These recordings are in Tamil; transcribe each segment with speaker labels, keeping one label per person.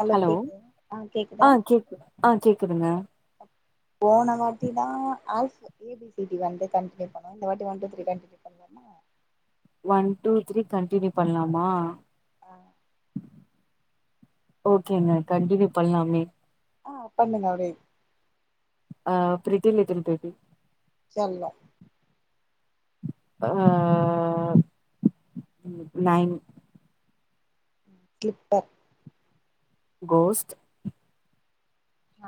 Speaker 1: ஹலோ கேக்குது ஆ கேக்குதா
Speaker 2: கேக்கு ஆ கேக்குதுங்க
Speaker 1: போன வாட்டி தா all A B C D வந்து கண்டினியூ பண்ண இந்த வாட்டி ஒ டு த்ரி கண்டினியூ ப
Speaker 2: ஒன் டூ த்ரீ கண்டினியூ பண்லாமா
Speaker 1: ஆ
Speaker 2: ஓகேங்க கண்டினியூ பண்லாமே
Speaker 1: ஆ பண்ணுங்க அப்டியே
Speaker 2: ஆ பிரீட்டில் லிட்டில் பேபி
Speaker 1: செல்லே
Speaker 2: ஆ nine
Speaker 1: clipper
Speaker 2: ghost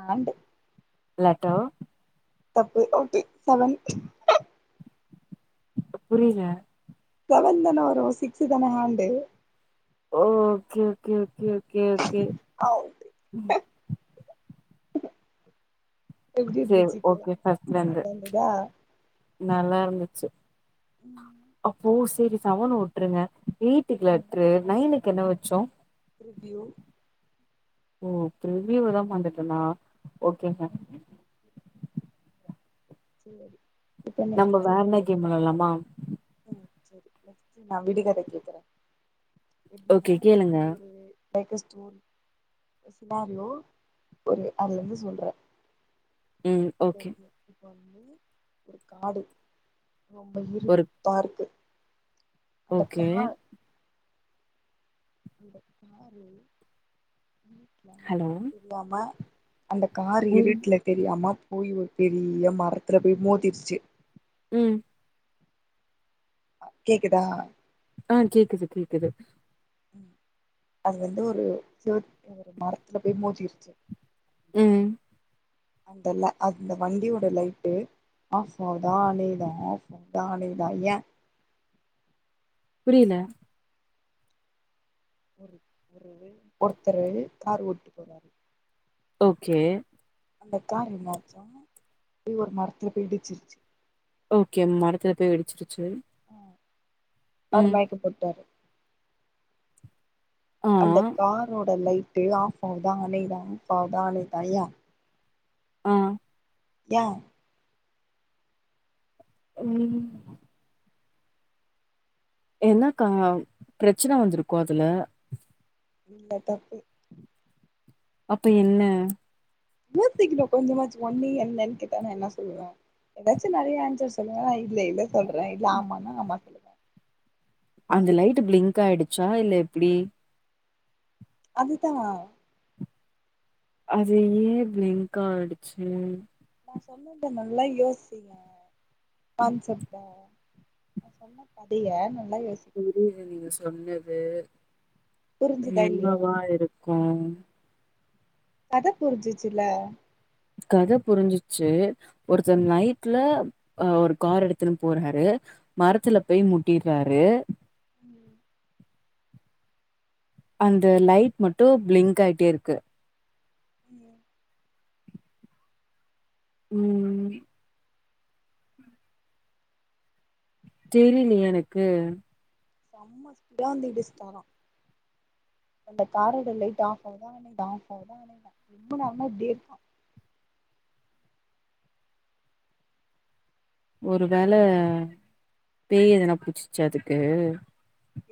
Speaker 1: hunt
Speaker 2: letter
Speaker 1: தப்பு ஓகே செவன்
Speaker 2: புரியல
Speaker 1: செவன் தான வரு சிக்ஸ்சு தான ஹேண்டு
Speaker 2: ஓ okay okay okay okay okay
Speaker 1: out
Speaker 2: ம்
Speaker 1: எப்டி
Speaker 2: சே
Speaker 1: இருந்துச்சு
Speaker 2: ஓகே
Speaker 1: கேளுங்க
Speaker 2: ஃபர்ஸ்ட்லந்து
Speaker 1: ஜாலியா இருந்ததா
Speaker 2: நல்லாருந்துச்சு
Speaker 1: ம்
Speaker 2: அப்போ செரி செவன உட்டுருங்க எயிட்டுக்கு லெட்ரு நைனுக்கு என்ன வச்சோ
Speaker 1: ப்பிரிவ்யூ
Speaker 2: ஓ பிரிவியூவ தா மறந்துட்டேன்னா ஓகேங்க
Speaker 1: செரி
Speaker 2: நம்ம வேற என்ன கேம் வெல்லலாமா
Speaker 1: ம் செரி நெக்ஸ்ட் நா விடுகத கேக்குற எப்டின்னா
Speaker 2: ஓகே கேளுங்க
Speaker 1: இது ஒரு லைக் அ ஸ்டோரி சினாரியோ ஒரு அதுலருந்து சொல்ற
Speaker 2: ம் ஓகே
Speaker 1: [inaudible] இப்ப வந்து ஒரு காடு ரொம்ப இரு
Speaker 2: ஒரு
Speaker 1: டாருக்கு அந்த
Speaker 2: ஓகே
Speaker 1: கா அந்த காரு இருட்ல
Speaker 2: ஹலோ
Speaker 1: [unintelligible] அந்த கார்
Speaker 2: ம்
Speaker 1: இருட்ல தெரியாம போய் ஒரு பெரிய மரத்தில போய் மோதிருச்சு
Speaker 2: ம்
Speaker 1: கேக்குதா
Speaker 2: ஆ கேக்குது கேக்குது
Speaker 1: ம் அது வந்து ஒரு சேவ் ஒரு மரத்துல போய் மோதிருச்சு
Speaker 2: ம்
Speaker 1: [unintelligible] அந்த வண்டியோட லைட்டு ஆஃப் ஆதா அணையுத ஆஃப் ஆதா அணையுத ஏன்
Speaker 2: புரியல
Speaker 1: ஒரு ஒரு ஒருத்தரு கார் ஓட்டு போறாரு
Speaker 2: ஓகே
Speaker 1: அந்த கார் என்னாச்ச போய் ஒரு மரத்துல போயி இடிச்சிருச்சு
Speaker 2: ஓகே மரத்துல போய் வெடிச்சிருச்சு
Speaker 1: அவர் மயக்கபோட்டாரு
Speaker 2: ஆ
Speaker 1: அந்த காரோட லைட்டு ஆஃப் ஆகுதா அணையுதா ஆஃப் ஆகுதான அணையுதா யா
Speaker 2: ஆ
Speaker 1: யா
Speaker 2: ம் என்ன கா பிரச்சனை வந்துருக்கு அதுல
Speaker 1: இல்ல தப்பு
Speaker 2: அப்ப என்ன
Speaker 1: யோசிக்கணு கொஞ்சமாச்சு ஓன்னே என்னன்னு கேட்டானா என்ன சொல்லுவ ஏதாச்சு நெறைய ஆன்சர் சொல்லுவ இல்ல இல்ல சொல்றே இல்ல ஆமானா ஆமா சொல்லுவே
Speaker 2: அந்த லைட்டு பிளிங்க் ஆயிடுச்சா இல்ல எப்டி
Speaker 1: அதுதா
Speaker 2: அது ஏ பிளிங்க் ஆடுச்சு
Speaker 1: நா சொன்னல்ல நல்லா யோசி அ கான்செப்ட நா சொன்ன கதயை நல்லா யோசி
Speaker 2: புரியுது நீங்க சொன்னது
Speaker 1: புரிஞ்சுதா இல்லையா
Speaker 2: என்னவா இருக்கு
Speaker 1: கத புரிஞ்சுச்சுல்ல
Speaker 2: கத புரிஞ்சிச்சு ஒருத்தர் நைட்ல ஒரு கார் எடுத்துன்னு போறாரு மரத்துல போய் முட்டிறாரு
Speaker 1: ம்
Speaker 2: அந்த லைட் மட்டு பிளிங்க் ஆயிட்டே இருக்கு
Speaker 1: ம்
Speaker 2: ம் தெரிலியே எனக்கு
Speaker 1: செம்ம ஸ்பீடா வந்து இடிச்சுடாரா அந்த காரோட லைட் ஆஃப் ஆவுதா அனைதா ஆஃப் ஆவுதா அனைதா ரொம்ப நேரமா இப்டே இருக்கா
Speaker 2: ஒரு வேல பேய் எதனா பிடிச்சுச்சா அதுக்கு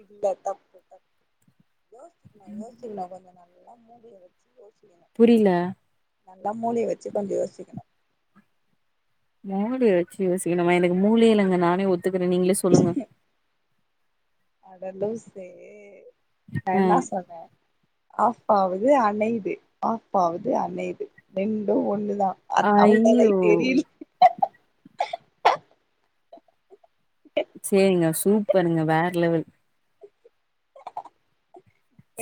Speaker 1: இல்ல தப்பு தப்பு யோசிகுனு யோ இன்னோ கொஞ்சோ நல்லா மூடியை வச்சு யோசிக்குணு
Speaker 2: புரில
Speaker 1: நல்லா மூளையை வச்சு கொஞ்சோ யோசிக்குணு
Speaker 2: மூடிய வச்சு யோசிக்குணும்மா எனக்கு மூளையே இல்லங்க நானே ஒத்துக்குறே நீங்களே சொல்லுங்க
Speaker 1: அட லூசே நா
Speaker 2: அ
Speaker 1: என்னா சொன்ன ஆஃப் ஆவுது அனையிது ஆஃப் ஆவுது அனையிது ரெண்டு ஒண்ணுதா அந் அந்த
Speaker 2: ஐயோ
Speaker 1: லைட் எரி
Speaker 2: சேரிங்க சூப்பருங்க வேற லெவல்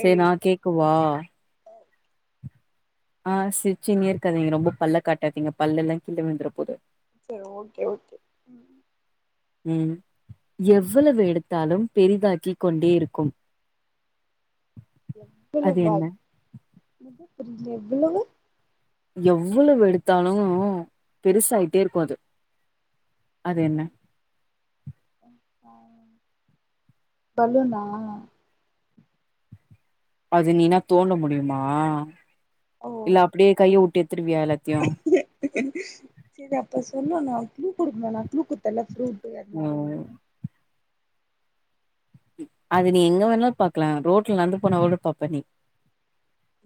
Speaker 2: சேர் நா கேக்கவா ஆ சிரிச்சின்னே இருக்காதீங்க ரொம்ப பல்ல காட்டாதீங்க பல்லெல்லா கிழ விழுந்துர போது
Speaker 1: செரி ஓகே ஓகே
Speaker 2: ம்
Speaker 1: ம்
Speaker 2: எவ்ளவு எடுத்தாலும் பெரிதாக்கி கொண்டே இருக்கும் [inaudible] அது என்ன
Speaker 1: எவ்ளவாய் புரிலே எவ்ளவு
Speaker 2: எவ்ளவு எடுத்தாலு பெருசாயிட்டே இருக்கு அது அது என்ன
Speaker 1: பலுனா
Speaker 2: அது நீ என்ன தோண்ட முடியுமா
Speaker 1: ஓ
Speaker 2: இல்ல அப்டியே கைய வுட்டு எத்துருவியா எல்லாத்
Speaker 1: சேரி அப்ப சொல்லோனு நா க்ளூ குடுக்குணு நா க்ளூ குடுத்தல்ல ஃப்ரூட் அது மாரின்னு
Speaker 2: ம் அது நீ எங்க வேணால் பாக்கலா ரோட்ல நடந்து போனா கூட பாப்ப நீ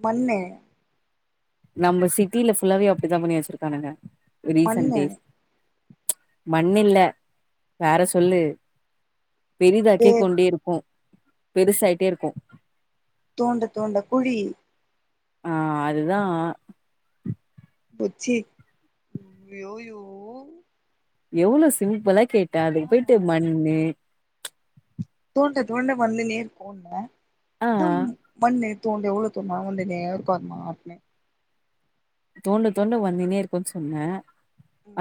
Speaker 1: மண்ணு
Speaker 2: நம்ம சிட்ல ஃபுல்லவே அப்டித்தா பண்ணி வச்சிருக்கானுங்க
Speaker 1: மண்ணு
Speaker 2: ரீசெண்ட் டேஸ் மண் இல்ல வேற சொல்லு
Speaker 1: அப்படியே
Speaker 2: பெரிதாகேக்குண்டே இருக்கு பெருசாய்டே இருக்கு
Speaker 1: தோண்ட தோண்ட குழி
Speaker 2: ஆ அதுதா
Speaker 1: ஓச்சி யோ யோ
Speaker 2: எவ்ளோ சிம்பிளா கேட்டே
Speaker 1: ஆ
Speaker 2: அதுக்கு போயிட்டு மண்ணு
Speaker 1: தோண்ட தோண்ட வந்துனே இருக்குன
Speaker 2: ஆ
Speaker 1: அதா மண்ணு தோண்ட எவளோ தோண்னாலு வந்துன்னே இருக்கு [inaudible]
Speaker 2: தோண்ட தோண்ட வந்துனே இருக்குன் சொன்ன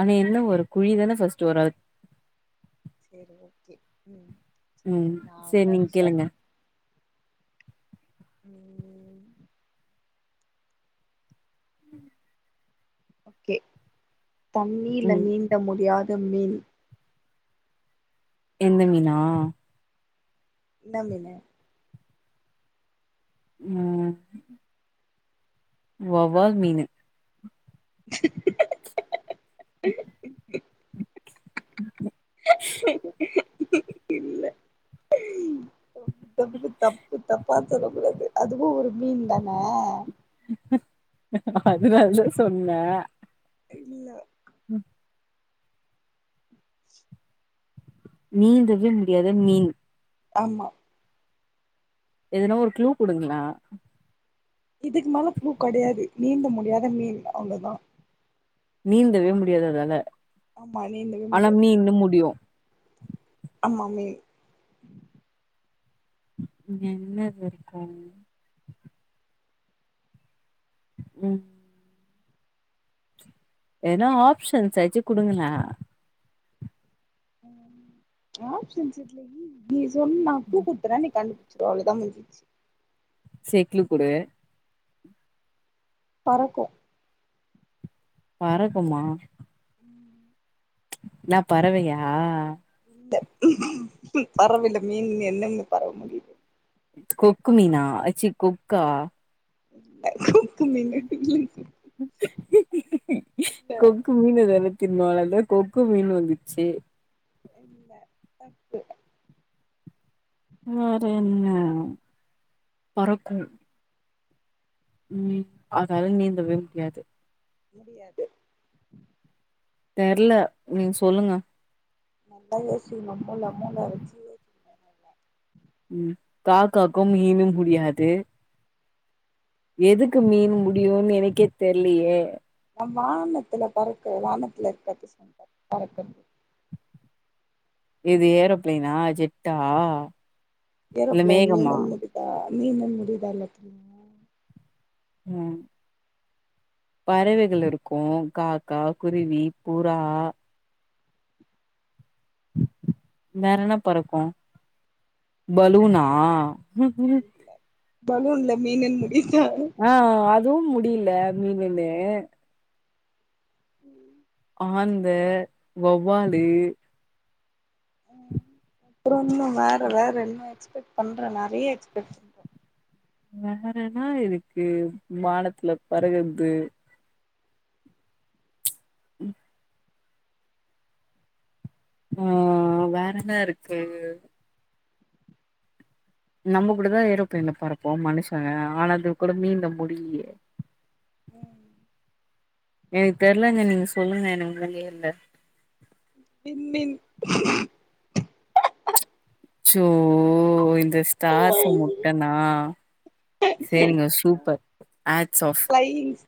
Speaker 2: ஆனா என்ன வரு குழிதானே ஃபர்ஸ்ட் வரு அ
Speaker 1: செரி ஓகே ம் சேரி
Speaker 2: ம்
Speaker 1: நா
Speaker 2: சேரி நீங்க
Speaker 1: ஒன்னு சொல்
Speaker 2: கேளுங்க
Speaker 1: ம்
Speaker 2: உம்
Speaker 1: ஒகே தண்ணீல
Speaker 2: ம்
Speaker 1: நீந்த முடியாத மீன்
Speaker 2: எந்த மீனா
Speaker 1: என்னா மீனு
Speaker 2: ம் வவ்வால் மீனு
Speaker 1: இல்ல ரொம்ப தப்பு தப்பா சொல்ல கூடாது அதுவு ஒரு மீன்தானே
Speaker 2: அதுனாலதா சொன்னே
Speaker 1: இல்ல
Speaker 2: ம் நீந்தவே முடியாத மீன்
Speaker 1: ஆமா
Speaker 2: எதுனா ஒரு க்ளூ குடுங்ளே
Speaker 1: இதுக்கு மேல க்ளு கெடையாது நீந்த முடியாத மீன் அவ்ளதா
Speaker 2: நீந்தவே முடியாது அதால
Speaker 1: ஆமா நீந்தவே
Speaker 2: ஆனா
Speaker 1: முடியாது
Speaker 2: மீன்னு முடியு
Speaker 1: ஆமா மே
Speaker 2: என்னது இருக்கு ம் எதுனா ஆப்ஷன்ஸ் ஆச்சு குடுங்களே
Speaker 1: ம் ஆப்ஷன்ஸ் இதுல ம் நீ சொல் நா க்ளு கு இப்பதா நீ கண்டுபுச்சது அவ்ளதா முஞ்சுச்சு
Speaker 2: சே க்ளு குடு
Speaker 1: பறக்கு
Speaker 2: பறக்குமா
Speaker 1: ம்
Speaker 2: இன்னா பறவையா
Speaker 1: பறவைல மீன் என்னன்னு பறவ முடிய
Speaker 2: கொக்கு மீனா அ சி கொக்கா
Speaker 1: கொக்கு மீனு இல்ல
Speaker 2: கு மீன் அதெல்லா தின்னோல்ல அதா கொக்கு மீன் வந்துச்சு
Speaker 1: [unintelligible]
Speaker 2: வேறென்ன பறக்கு ம் அதால நீந்தவே முடியாது
Speaker 1: முடியாது
Speaker 2: தெர்ல நீங் சொல்லுங்க
Speaker 1: நல்லா யோசி மூ மூள மூள வச்சி
Speaker 2: ம் காக்காகு மீனு முடியாது எதுக்கு மீனு முடியும்னு எனக்கே தெர்லையே
Speaker 1: நம் வானத்துல பறக்க வானத்துல இருக்கற்த சொன்ன பறக்கற்து
Speaker 2: இது ஏரோப்ளேனா ஜெட்டா இல்ல
Speaker 1: ஏரோப்ளேன்
Speaker 2: மேகமா
Speaker 1: மீன்ல முடிதா மீன்ல முடிதா [unintelligible]
Speaker 2: ம் பறவைகள் இருக்கும் காக்கா குருவி புறா வேற என்ன பறக்கு பலூனா
Speaker 1: பலூன்ல மீனுனு முடியுதா
Speaker 2: ஆ அதுவும் முடியில மீனுன்னு ஆந்த வவ்வாலு
Speaker 1: அப்றோமா வேற வேற இன்னும் எக்ஸ்பெக்ட் பண்ற நெறைய எக்ஸ்பெக்ட் பண்
Speaker 2: வேறென்னா இருக்கு வானத்துல பறக்குறது ம் ஆ வேறேன்னா இருக்கு நம்ம கூடதா ஏரோப்லேன்ல பறப்போ மனுஷங்க ஆனா அது கூட மீன்ல முடியிலியே
Speaker 1: ம்
Speaker 2: எனக்கு தெர்லங்க நீங்க சொல்லுங்க எனக்கு மூளையே இல்ல
Speaker 1: விண்மீன்
Speaker 2: ச்சோ இந்த ஸ்டார்ஸ முட்டனா சேரிங்க சூப்பர் ஹேட்ஸ்ஆஃப்
Speaker 1: ஐ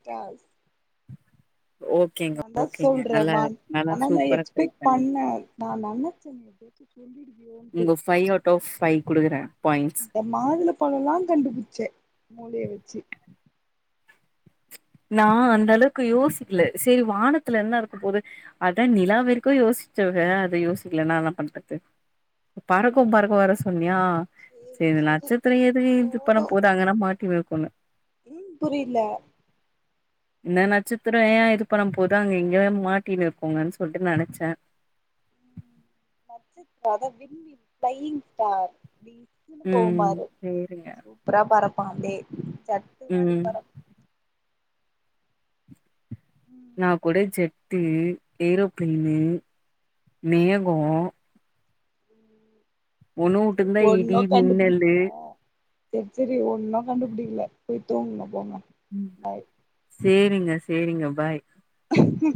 Speaker 1: கேல்ஸ்
Speaker 2: ஓ
Speaker 1: நாந்தா சொல்ற வா ஆனா நா
Speaker 2: சூப்பரா ட்ரை
Speaker 1: எக்ஸ்பெக்ட்
Speaker 2: பண்ணீங்க
Speaker 1: பண்ண நா நனைச்சே [inaudible] சொல்லிடுவியோ
Speaker 2: உங்க பை அவுட் ஆஃப் ஃபை குடுக்குறே பாயிண்ட்ஸ்
Speaker 1: இந்த மாதுள பழம்லா கண்டுபுச்சே மூளைய வச்சி
Speaker 2: நா அந்த அளவுக்கு யோசிக்ல சேரி வானத்துல என்ன இருக்க போது அதா நிலாவரிக்கு யோசிச்சவங்க அத யோசிக்லனா என்னா பண்றது பறக்கு பறக்கு வேற சொன்னியா சேரி அந்த நட்சத்திரோ ஏது இது பண்ண
Speaker 1: போது
Speaker 2: போதாங்க அங்கல்லா மாட்டி இருக்கொணு
Speaker 1: ம் புரியில
Speaker 2: என்ன நட்சத்திரோ ஏன் இது பண்ணபோது அங்க எங்கயாது மாட்டினு இருக்கோங்கன்னு சொல்லிட்டு நெனைச்சே
Speaker 1: நட்சத் அதா விண்மீன் பிளையிங் ஸ்டார் [inaudible] ம்
Speaker 2: ம்
Speaker 1: போம்பாரு
Speaker 2: சேரிங்க
Speaker 1: சூப்பரா பரப்பா [inaudible] ஜட்டு மாதிரி
Speaker 2: ம்
Speaker 1: பரப்
Speaker 2: நா கூட ஜெட்டு ஏரோப்ளைனு மேககோ
Speaker 1: செரி
Speaker 2: ஒன்னு
Speaker 1: சேரி
Speaker 2: வுட்டுருந்தா இடி
Speaker 1: ஒன்னு
Speaker 2: மின்னலு
Speaker 1: கண்டுபுடிக்கில சேரி சேரி ஒன்னு கண்டுபிடிக்கல போய் தூங்குங்க போங்க பாய்
Speaker 2: சேரிங்க சைரிங்க பாய்
Speaker 1: போங்க